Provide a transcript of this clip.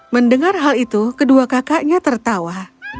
mendengar hal itu kedua kakaknya tertawa